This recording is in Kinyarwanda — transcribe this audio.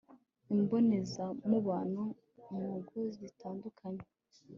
imbonezamubano mungo zitandukanye